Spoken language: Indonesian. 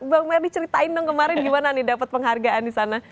bang merdi ceritain dong kemarin gimana nih dapat penghargaan di sana